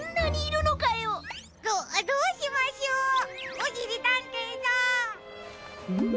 おしりたんていさん。